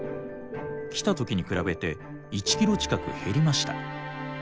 来た時に比べて１キロ近く減りました。